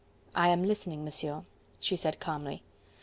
"I am listening, Monsieur," she said calmly.